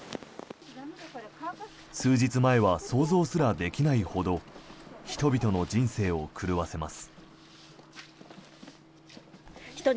数日前は想像すらできないほど人々の人生を狂わせます。